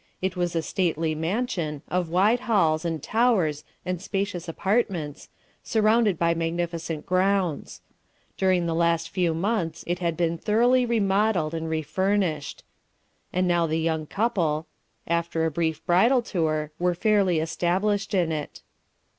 It was a stately mansion, of wide halls and towers and spacious apartments, surrounded by magnificent grounds. During the last few months it had been thoroughly remodelled and refurnished, and now the young couple, after a brief bridal tour, were fairly established in it.